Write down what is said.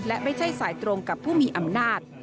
และไม่ใช่สายตรงกับผู้มีอำนาจ